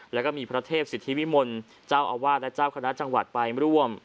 แล้วก็มีพระเทพสิทธิวิมลเจ้าอาวาสและเจ้าคณะจังหวัดไปร่วม